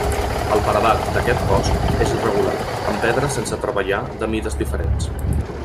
El paredat d'aquest cos és irregular, amb pedra sense treballar de mides diferents.